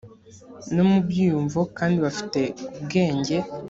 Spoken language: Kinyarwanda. no mu byiyumvo kandi bafite ubwenge